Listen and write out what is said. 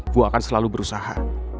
gue akan selalu berusaha